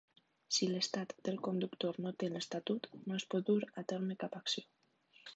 Si l'estat del conductor no té l'estatut, no es pot dur a terme cap acció.